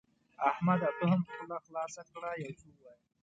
احمده ته هم خوله خلاصه کړه؛ يو څه ووايه.